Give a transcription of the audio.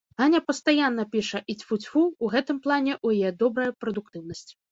Аня пастаянна піша, і, цьфу-цьфу, у гэтым плане ў яе добрая прадуктыўнасць.